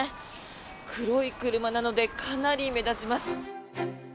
黒い車なのでかなり目立ちます。